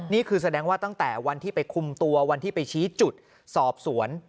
นี่คือแสดงว่าตั้งแต่วันที่ไปคุมตัววันที่ไปชี้จุดสอบสวน